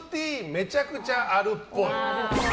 めちゃくちゃあるっぽい。